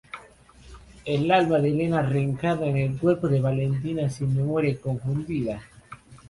El alma de Helena reencarna en el cuerpo de Valentina sin memoria y confundida.